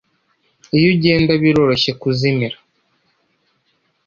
iyo ugenda, biroroshye kuzimira